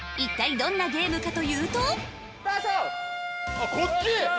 あっこっち